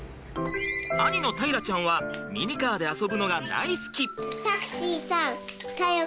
兄の大樂ちゃんはミニカーで遊ぶのが大好き。